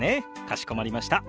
かしこまりました。